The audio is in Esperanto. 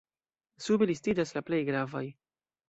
Sube listiĝas la plej gravaj.